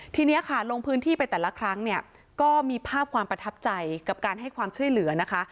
ทีนี้ค่ะลงพื้นที่ไปแต่ละครั้งเนี่ยก็มีภาพความประทับใจกับการให้ความช่วยเหลือนะคะ